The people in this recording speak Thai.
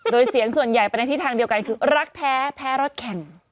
โดยเสียงส่วนใหญ่ไปในทิศทางเดียวกันคือรักแท้แพ้รถแข่ง